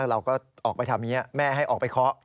เราก็ออกไปทำอย่างนี้แม่ให้ออกไปเคาะ